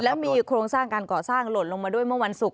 และมีโครงสร้างการก่อสร้างหล่นลงมาด้วยเมื่อวันศุกร์